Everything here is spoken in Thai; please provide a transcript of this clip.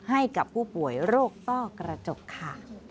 ให้กับผู้ป่วยโรคต้อกระจกค่ะ